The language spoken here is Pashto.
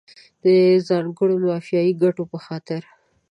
د ځانګړو مافیایي ګټو په خاطر.